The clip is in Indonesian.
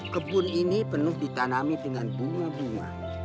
kebun ini penuh ditanami dengan bunga bunga